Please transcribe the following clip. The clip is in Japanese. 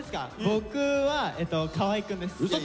僕は河合くんです。